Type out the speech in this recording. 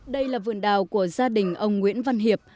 đây là vườn đào của gia đình ông nguyễn văn hiệp